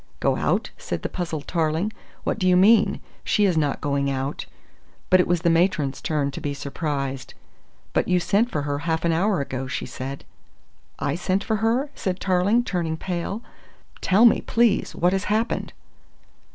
"Go out?" said the puzzled Tarling. "What do you mean? She is not going out." It was the matron's turn to be surprised. "But you sent for her half an hour ago," she said. "I sent for her?" said Tarling, turning pale. "Tell me, please, what has happened?"